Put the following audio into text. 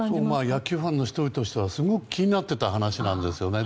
野球ファンの１人としてはすごく気になっていた話なんですよね。